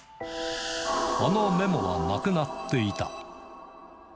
あのメモはなくなっていた。